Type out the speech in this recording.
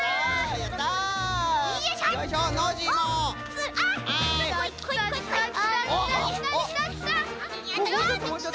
やった！